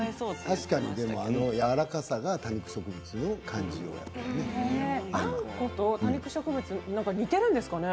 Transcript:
確かに、あのやわらかさが多肉植物を感じるね。